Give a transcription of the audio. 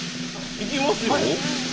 いきますよ。